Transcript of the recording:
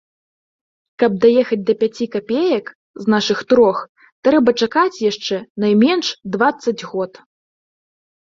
Каб даехаць да пяці капеек з нашых трох, трэба чакаць яшчэ найменш дваццаць год.